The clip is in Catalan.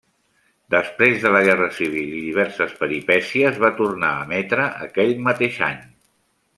Després de la guerra civil i diverses peripècies va tornar a emetre aquell mateix any.